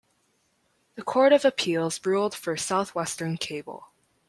The Court of Appeals ruled for Southwestern Cable.